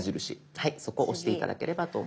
はいそこ押して頂ければと思います。